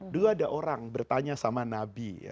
dulu ada orang bertanya sama nabi